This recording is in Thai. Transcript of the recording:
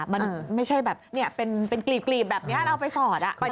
มันไม่ใช่แบบเป็นกลีบแบบนี้เราไปสอด